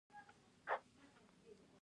آیا یوازې په امریکا تکیه کول خطر نلري؟